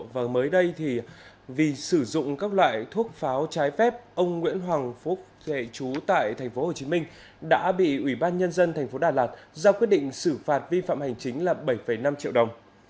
và mới đây thì vì sử dụng các loại thuốc pháo trái phép ông nguyễn hoàng phúc thệ chú tại tp hcm đã bị ủy ban nhân dân tp đà lạt giao quyết định xử phạt vi phạm hành chính là bảy năm triệu đồng